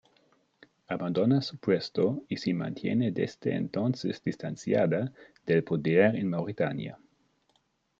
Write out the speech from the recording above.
Abandona su puesto, y se mantiene desde entonces distanciada del poder en Mauritania.